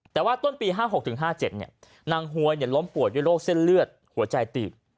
แต่ว่าต้นปี๕๖๕๗นางหวยล้มป่วยด้วยโรคเส้นเลือดหัวใจตีบ